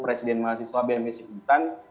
presiden mahasiswa bnpc penguntan